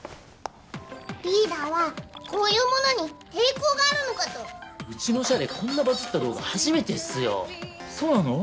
リーダーはこういうものに抵抗があるのかとうちの社でこんなバズった動画初めてっすよそうなの？